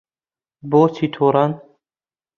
بۆچی تووڕەن؟